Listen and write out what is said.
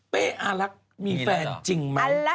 เป๊อารักมีแฟนจริงมั้ย